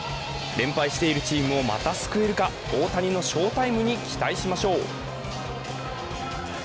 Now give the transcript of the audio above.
連敗しているチームをまた救えるか、大谷の翔タイムに期待しましょう。